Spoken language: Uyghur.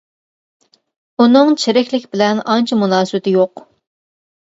ئۇنىڭ چىرىكلىك بىلەن ئانچە مۇناسىۋىتى يوق.